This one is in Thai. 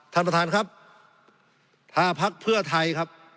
ท่านประธานครับห้าพักเพื่อไทยครับ